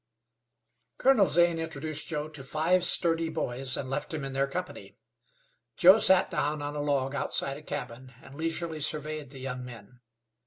Colonel Zane introduced Joe to five sturdy boys and left him in their company. Joe sat down on a log outside a cabin and leisurely surveyed the young men.